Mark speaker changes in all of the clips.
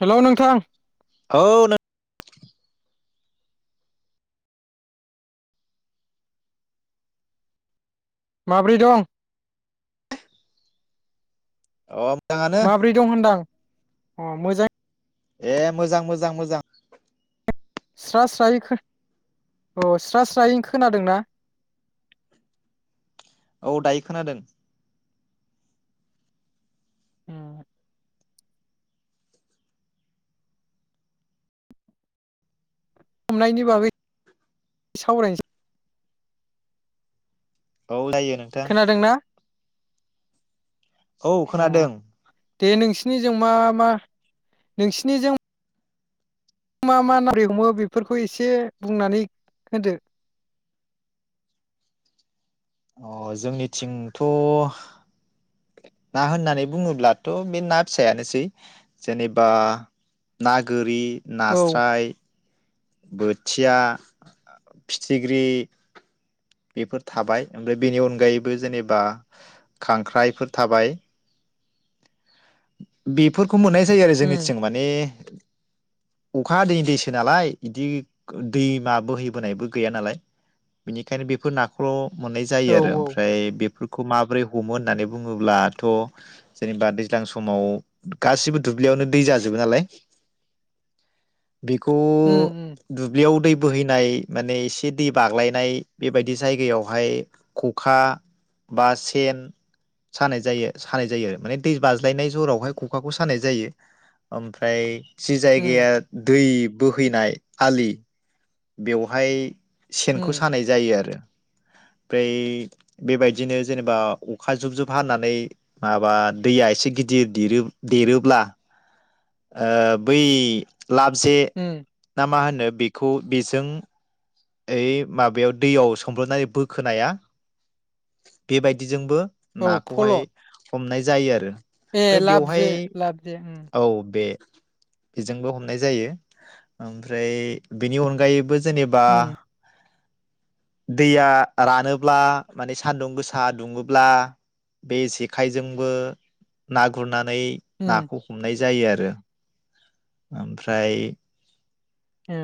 Speaker 1: हेल' नोंथां।
Speaker 2: औ नों
Speaker 1: माब्रै दं?
Speaker 2: अह।
Speaker 1: माब्रै दं होनदां? अह मोजां
Speaker 2: ए मोजां मोजां मोजां।
Speaker 1: स्रा स्रायै खो अह स्रा स्रायै खोनादोंना?
Speaker 2: औ दायो खोनादों।
Speaker 1: उम। हमनायनि बागै सावरायनोसै
Speaker 2: औ जायो नोंथां।
Speaker 1: खोनादोंना
Speaker 2: औ
Speaker 1: अ
Speaker 2: खोनादों।
Speaker 1: दे नोंसिनिजों मा मा नोंसिनिजों। मा मा नारै हमो बेफोरखौ एसे बुंनानै होदो।
Speaker 2: अ जोंनिथिंथ' ना होननानै बुङोब्लाथ' बे ना फिसायानोसै जेनेबा ना गोरि।
Speaker 1: औ
Speaker 2: नास्राय। बोथिया फिथिख्रि बेफोर थाबाय ओमफ्राय बेनि अनगायैबो जेनेबा खांख्राइफोर थाबाय। बेफोर खौ मोननाय जायो आरो
Speaker 1: उम
Speaker 2: जोंनिथिं माने अखा हादैैनि दैसो नालाय बिदि दैमा बोहैबोनायबो गैया नालाय बिनिखायनो बेफोर नाखौल' मोननाय जायो
Speaker 1: औ
Speaker 2: आरो
Speaker 1: औ
Speaker 2: ओमफ्राय बे। [unintelligible] [unintelligible] खौ माबोरै हमो होननानै बुङोब्लाथ'। जेनेबा दैज्लां समाव गासिबो दुब्लियावनो दै जाजोबो नालाय। बेखौ
Speaker 1: उम उम
Speaker 2: दुब्लियाव दै बोहैनाय। माने एसे दै बाग्लायनाय बेबायदि जायगायावहाय खखा बा सेन सानाय जायो सानाय जायो। माने दै बाज्लायनाय जरावहाय खखाखौ सानाय जायो ओमफ्राय। जि
Speaker 1: उम
Speaker 2: जायगाया दै बो फैनाय आलि बेवहाय सेनखौ
Speaker 1: उम
Speaker 2: सानाय जायो आरो। ओमफ्राय बेबायदिनो जेनेबा अखा जुब जुब हानानै माबा दैया एसे गिदिर देरो देरोब्ला ओ बै लाबजे
Speaker 1: उम
Speaker 2: ना मा होनो बे खौ बेजों ओइ माबायाव दैयाव सोमब्रबनानै बोखोनाया बेबायदिजोंबो
Speaker 1: औ
Speaker 2: नाखौ
Speaker 1: फल'
Speaker 2: हाय हमनाय जायो आरो।
Speaker 1: ए
Speaker 2: ओमफ्राय
Speaker 1: लाब
Speaker 2: बेवहाय
Speaker 1: जे लाबजे उम।
Speaker 2: औ बे बेजोंबो हमनाय जायो ओमफ्राय बेनि अनगायैबो जेनेबा
Speaker 1: उम
Speaker 2: दैया रानोब्ला माने सान्दुं गोसा दुंङोब्ला बे जेखाइजोंबो ना गुरनानै। नै
Speaker 1: उम
Speaker 2: नाखौ हमनाय। जायो आरो ओमफ्राय
Speaker 1: ओ।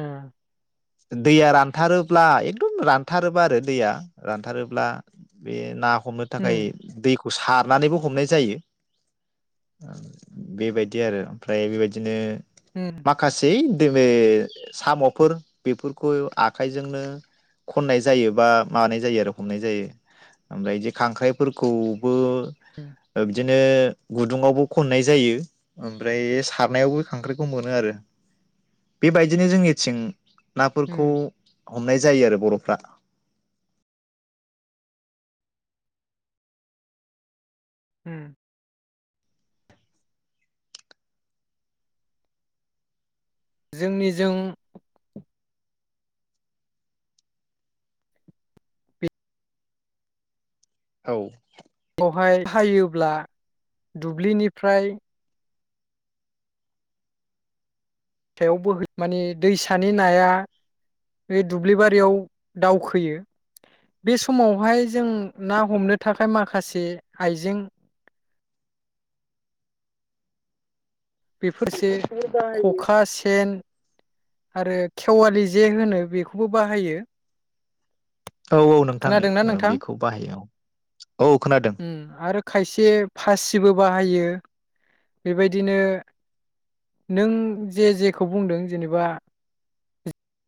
Speaker 2: दैया रानथारोब्ला एकदम रानथारोबा आरो दैया रानथारोब्ला बे नाखौ हमनो थाखाय
Speaker 1: उम
Speaker 2: दै खौ सारनानैबो हमनाय जायो बेबायदि आरो ओमफ्राय बेबायदिनो
Speaker 1: उम
Speaker 2: माखासे [unintelligible] सामफोर बेफोरखौ आखाइजोंनो खननाय जायो बा मानाय जायो आरो हमनाय जायो ओमफ्राय जे खांख्राइफोरखौबो
Speaker 1: उम
Speaker 2: ओ बिदिनो बिदिनो गुदुंङावबो खननाय जायो ओमफ्राय सारनायावबो खांख्राइखौ मोनो आरो बेबायदिनो जोंनिथिं नाफोरखौ
Speaker 1: उम
Speaker 2: हमनाय जायो आरो बरफ्रा
Speaker 1: उम जोंनि जों
Speaker 2: औ
Speaker 1: वहाय हायोब्ला दुब्लिनिफ्राय सायाव बोहैयो माने दैसानि नाया बे दुब्लिबारियाव दावखोयो बे समावहाय जों ना हमनो थाखाय माखासे आइजें बेफोरसे खखा सेन आरो खेवालि जे होनो बेखौबो बाहायो।
Speaker 2: औ नोंथां
Speaker 1: खोनादोंना नोंथां
Speaker 2: बेखौ बाहायो औ औ खोनादों
Speaker 1: उम आरो खायसे फासिबो बाहायो। बेबायदिनो नों जे जेखौ बुंदों जेनेबा [inaudible]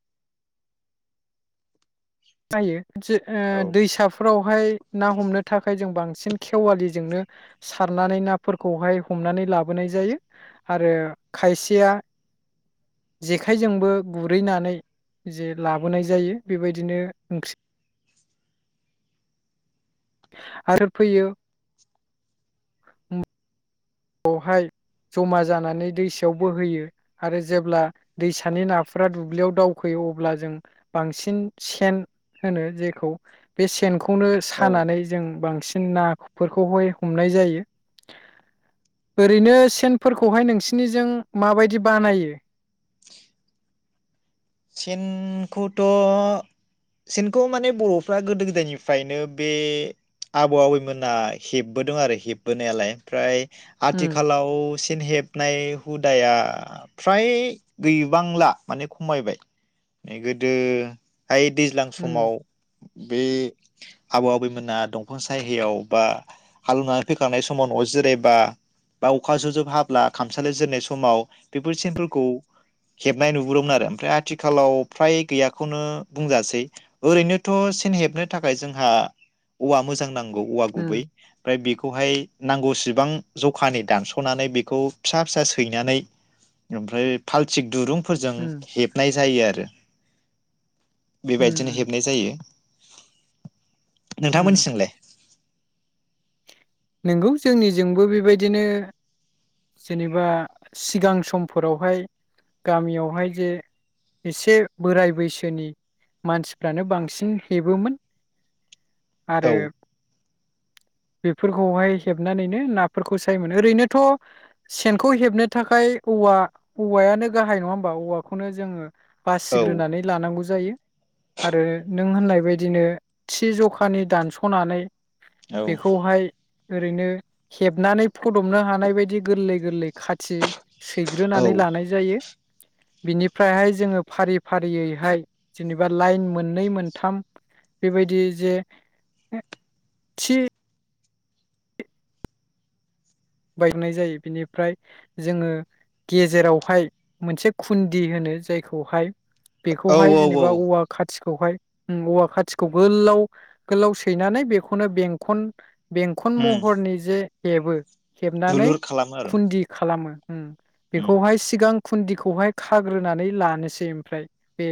Speaker 1: जायो जे ओ
Speaker 2: औ
Speaker 1: दैसाफोरावहाय ना हमनो थाखाय जों बां सिन खेवालिजोंनो सारनानै नाफोरखौहाय हमनानै लाबोनाय जायो आरो खायसेया जेखाइजोंबो गुरहैनानै जे लाबोनाय जायो बेबायदिनो ओंख्रि आरो फैयो उम खौहाय जमा जानानै दैसायाव बोहोयो आरो जेब्ला दैसानि नाफोरा दुब्लियाव दावखोयो अब्ला जों बांसिन सेन होनो जेखौ बे सेन खौनो सानानै जों बांसिन नाफोरखौहाय हमनाय जायो। ओरैनो सेनफोरखौहाय नोंसिनिजों माबायदि बानायो
Speaker 2: सेनखौथ' सेनखौ माने बर'फ्रा गोदो गोदायनिफ्रायनो बे आबौ आबैमोना हेबबोदों आरो हेबबोनायालाय ओमफ्राय
Speaker 1: उम
Speaker 2: आथिखालाव से न हेबनाय हुदाया फ्राय गैबांला माने खमायबाय। ए गोदो हाय दैज्लां
Speaker 1: उम
Speaker 2: समाव बे आबौ आबैमोना दंफां सायहायाव बा हालौएवनानै फैखांनाय समाव न'आव जिरायबा बा अखा जुब जुब हाब्ला खामसालियाव जिरयनाय समाव बेफोर सेनफोरखौ हेबनाय नुबोदोंमोन आरो ओमफ्राय आ थिखालाव फ्राय गैयाखौनो बुंजासै ओरैनोथ सेन हेबनो थाखाय जोंहा औवा मोजां नां गौ औवा गुबै
Speaker 1: उम
Speaker 2: ओमफ्राय बेखौहाय नांगौसेबां जखानि दानस'नानै बेखौ फिसा फिसा सैनानै ओमफ्राय फाल्थिक दुरुं फोरजों
Speaker 1: उम
Speaker 2: हेब नाय जायो आरो
Speaker 1: उम
Speaker 2: बेबायदिनो हेबनाय जायो
Speaker 1: उम
Speaker 2: नोंथांमोननिथिंलाय
Speaker 1: नंगौ जोंनिजोंबो बेबायदिनो जेनेबा सिगां समफोरावहाय गामियावहाय जे एसे बोराय बैसोनि मानसिफ्रानो बांसिन हेबोमोन
Speaker 2: औ
Speaker 1: आरो फोरखौहाय हेबनानैनो नाफोरखौ सायोमोनो ओरैनोथ सेनखौ हेबनो थाखाय औवा औवायानो गाहाय नङा होमबा औवाखौनो जोङो
Speaker 2: औ
Speaker 1: बासिग्रोनानै लानांगौ ज जायो आरो नों होननाय बदिनो थि जखानि दानसनानै बेखौहाय ओरैनो हेबनानै फदमनो हानाय बायदि गोरलै गोरलै खाथि
Speaker 2: औ
Speaker 1: सैग्रोनानै लानाय जायो बिनिफ्रायहाय जोङो फारि फारियैहाय जेनेबा लाइन मोननै मोनथाम बेबायदि जे थि बायनाय जायो बिनिफ्राय जोङो गेजेरावहाय मोनसे खुन्दि होनो जायखौहाय
Speaker 2: औ
Speaker 1: बेखौहाय
Speaker 2: औ
Speaker 1: जेनेबा औवा खाथि खौहाय ओम औवा खाथिखौ गोलाव गोलाव सैनानै बेखौनो बेंखन बेंखन
Speaker 2: उम
Speaker 1: महरनि जे हेबो हेबनानै
Speaker 2: दुलुर खालामो आरो
Speaker 1: खुन्दि खालामो उम
Speaker 2: उम
Speaker 1: बेखौहाय सिगां खुन्दिखौहाय खाग्रोनानै लानोसै ओमफ्राय बे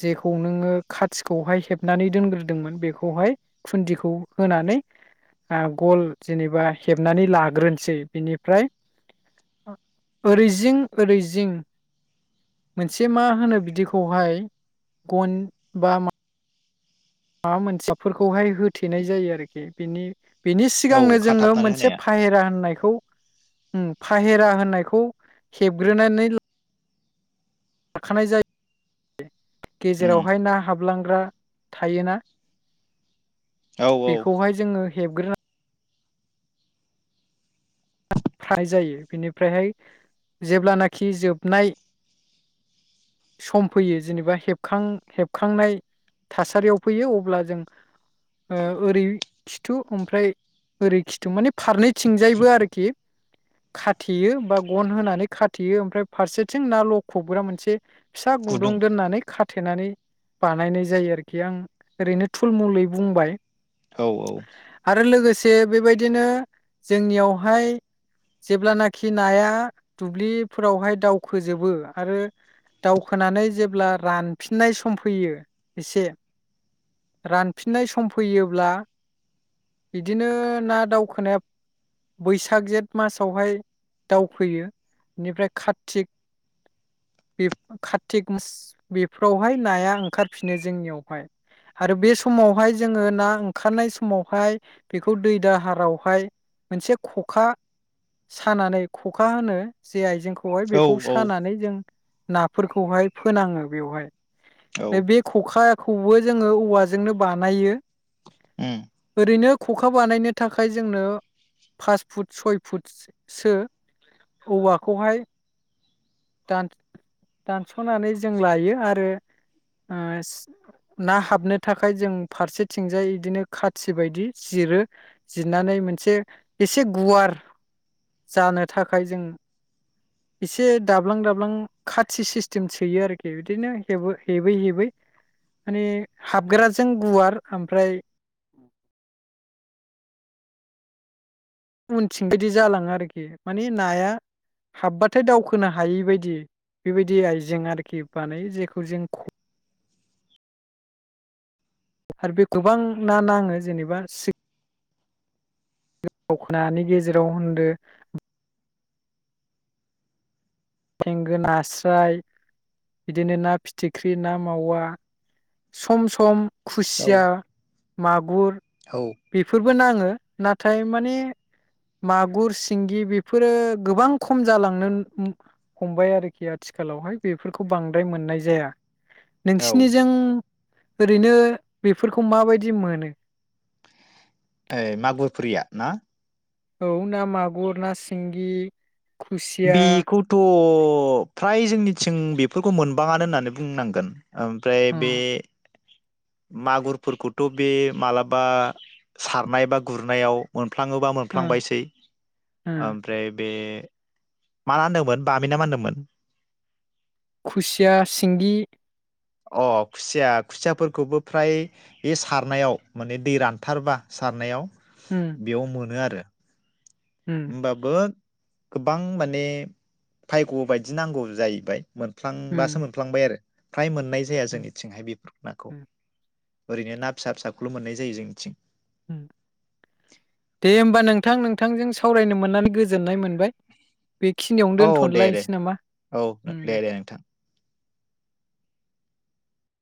Speaker 1: जेखौ नोङो खाथिखौहाय हेबनानै दोनग्रोदोंमोन बेखौहाय खुन्दिखौ होनानै गल जेनेबा हेबनानै ला ग्रोनसै बिनिफ्राय ओरैजिं ओरैजिं मोनसे मा होनो बिदिखौहाय गन बा मा माबा मोनसेफोरखौहाय होथेनाय जायो आरोखि बेनि बिनि
Speaker 2: औ
Speaker 1: सिगांनो जोङो
Speaker 2: खाथाबनानै
Speaker 1: मोनसे
Speaker 2: होनाया
Speaker 1: फाहेरा होननाय खौ उम फाहेरा होननायखौ हेबग्रोनानै ला खाखानाय जायो
Speaker 2: उम
Speaker 1: गेजेरावहाय ना हाब लांग्रा थायोना
Speaker 2: औ औ
Speaker 1: बेखौहाय जोङो हेबग्रोना फ्राय जायो बिनिफ्रायहाय जेब्लानाखि जोबनाय सम फैयो जेनेबा हेबखां हेबखांनाय थासारियाव फैयो अब्ला जों ओरै खिथु ओमफ्राय ओरै खिथु माने फारनैथिंजायबो आरोखि खाथेयो बा गन होनानै खाथेयो ओमफ्राय फारसेथिं ना लखबग्रा मोनसे फिसा गुदुं दोननानै खा थेनानै बानायनाय जायो आरोखि आं ओरैनो थुलमुलै बुंबाय
Speaker 2: औ औ
Speaker 1: से बेबायदिनो जोंनियावहाय जेब्लानाखि नाया दुब्लिफोरावहाय दावखोजोबो आरो दावखोनानै जेब्ला रानफिननाय सम फैयो एसे रानफिननाय सम फैयोब्ला बिदिनो ना दावखोनाया बैसाग जेथ मासावहाय दावफैयो बेनिफ्राय कातिक कातिक मास बेफोरावहाय नाया ओंखारफिनो जोंनियावहाय आरो बे समावहाय जोङो ना ओंखारनाय समावहाय बेखौ दै दाहारावहाय मोनसे खखा सानानै खखा होनो जे आइजेंखौ खौहाय
Speaker 2: औ
Speaker 1: बेखौ
Speaker 2: औ
Speaker 1: सानानै जों नाफोरखौहाय फोनाङो बेवहाय
Speaker 2: औ
Speaker 1: बे बे खखा खौबो जोङो औवाजोंनो बानायो।
Speaker 2: उम
Speaker 1: ओरैनो ख'खा बानायनो थाखाय जोंनो फास फुट सय फुटसो औवाखौहाय दान दानस'नानै जों लायो आरो ओ ना हाबनो थाखाय जों फारसेथिंजाय बिदिनो खाथि बायदि जिरो जिरनानै मोनसे एसे गुवार जानो थाखाय जों एसे दाब्लां दाब्लां खाथि सिस्टेम सोयो आरोखि बिदिनोबो हेबै हेबै माने हाबग्राजों गुवार ओमफ्राय उनथिं बिदि जालाङो आरोखि मानि नाया हाब्बाथाय दावखोनो हायि बायदि बेबायदि आइजें आरोखि बानाय जेखौ जों आरो बे गोबां ना नाङो जेनेबा दावखोनानि गेजेराव होनदो थेंगोन नास्राय बिदिनो ना फिथिख्रि ना मावा सम सम
Speaker 2: औ
Speaker 1: खुसिया मागुर
Speaker 2: औ
Speaker 1: बेफोरबो नाङो नाथाय माने मागुर सिंगि बेफोरो गोबां खम जालांनो हमबाय आरोखि आथिखालावहाय बेफोरखौ बांद्राय मोननाय जाया।
Speaker 2: औ
Speaker 1: नोंसिनिजों ओरैनो बेफोरखौ माबायदि मोनो?
Speaker 2: ओ मागुरफुरिया ना?
Speaker 1: औ ना मागुर ना सिंगि खुसिया
Speaker 2: बिखौ थ' थ फ्राय जोंनिथिं बेफोरखौ मोनबाङानो होननानै बुंनांगोन। ओमफ्राय
Speaker 1: उम
Speaker 2: बे मागुरफोरखौथ' बे मालाबा सारनाय बा गुरनायाव मोन मोनफ्लाङोबा
Speaker 1: उम
Speaker 2: मोनफ्लांबायसै
Speaker 1: उम
Speaker 2: ओमफ्राय बे मा होनदोंमोन बामि ना मा होनदोंमोन?
Speaker 1: खुसिया सिंगि
Speaker 2: ओ खुसिया खुसियाफोरखौबो फ्राय बे सारनायाव माने दै रानथारबा सारनायाव
Speaker 1: उम
Speaker 2: बेयाव मोनो आरो।
Speaker 1: उम
Speaker 2: होमबाबो गोबां माने भायग' बायदि नांगौ जाहैबाय। मोनफ्लांबासो
Speaker 1: उम
Speaker 2: मोनफ्लांबाय आरो। फ्राय मोन मोननाय जाया
Speaker 1: उम
Speaker 2: जोंनिथिंहाय बेफोर नाखौ
Speaker 1: उम
Speaker 2: ओरैनो ना फिसा फिसाखौल' मोननाय जायो जोंनिथिं।
Speaker 1: उम दे होमबा नोंथां नोंथांजों सावरायनो मोननानै गोजोननाय मोनबाय। बेखिनियावनो
Speaker 2: औ
Speaker 1: दोनथ'न
Speaker 2: दे दे
Speaker 1: लायसि नामा ओम दे